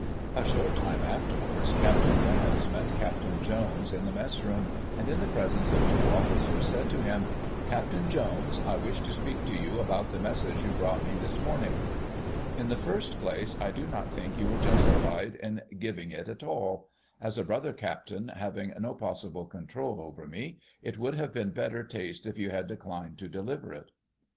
" A short time afterwards, Capt. Reynolds met Capt. Jones in the mess room, and, in the presence of two officers, said to him :* Captain Jones, I wish to speak to you about the Digitized by Google i84o] THE "BLACK BOTTLE" CASE. 143 message you brought me this morning. In the first place, I do not think you were justified in giving it at all ; as a brother captain, having no possible control over me, it would have been better taste if you had declined to deliver it.'